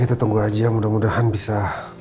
kita tunggu aja mudah mudahan bisa